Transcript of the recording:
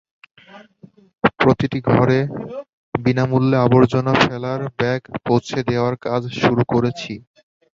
প্রতিটি ঘরে বিনা মূল্যে আবর্জনা ফেলার ব্যাগ পৌঁছে দেওয়ার কাজ শুরু করেছি।